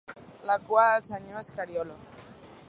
La cua del senyor Scariolo.